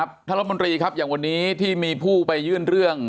รัฐมนตรีครับอย่างวันนี้ที่มีผู้ไปยื่นเรื่อง